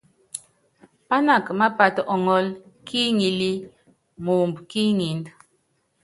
Pánaka mápát ɔŋɔ́l ki iŋilí moomb ki ŋínd.